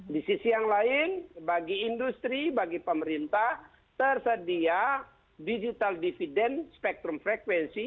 di sisi yang lain bagi industri bagi pemerintah tersedia digital dividend spektrum frekuensi